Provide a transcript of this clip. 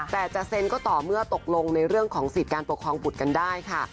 แต่จะเซ็นก็ต่อเมื่อตกลงในเรื่องของสิทธิ์การปกครองบุตรกันได้ค่ะ